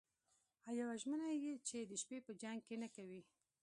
او یوه ژمنه چې د شپې به جنګ نه کوئ